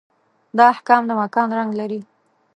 دا احکام د مکان رنګ لري.